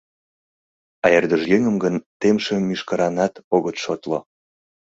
А ӧрдыжъеҥым гын темше мӱшкыранат огыт шотло.